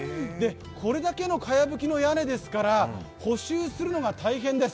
これだけのかやぶきの屋根ですから補修するのが大変です。